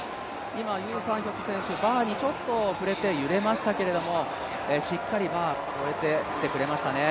今、ウ・サンヒョク選手、バーにちょっと触れて揺れましたけれども、しっかりバー越えてきてくれましたね。